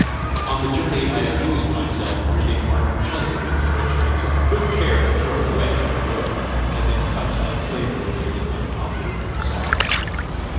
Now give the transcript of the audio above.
On the journey I amused myself reading Martin Chuzzlewit, which I took good care to throw away on the road, as its cuts at slavery made it unpopular in the South.